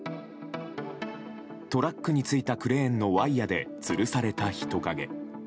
トラックについたクレーンのワイヤでつるされた人影。